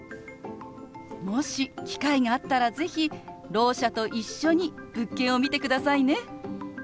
もし機会があったら是非ろう者と一緒に物件を見てくださいね。